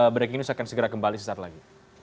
breaking news akan segera kembali sesaat lagi